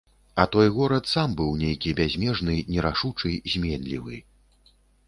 А той горад сам быў нейкі бязмежны, нерашучы, зменлівы.